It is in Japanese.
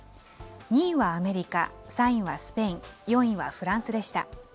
２位はアメリカ、３位はスペイン、４位はフランスでした。